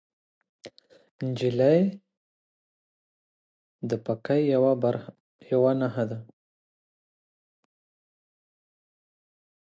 نجلۍ د پاکۍ یوه نښه ده.